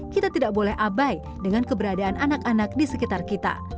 kita tidak boleh abai dengan keberadaan anak anak di sekitar kita